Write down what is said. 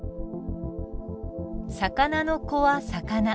魚の子は魚。